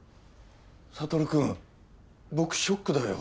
悟君僕ショックだよ。